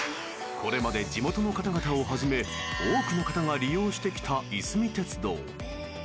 ［これまで地元の方々をはじめ多くの方が利用してきたいすみ鉄道］